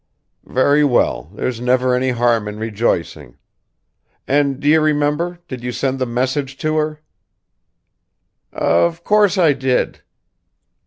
"Very well; there's never any harm in rejoicing. And, do you remember, did you send the message to her?" "Of course I did."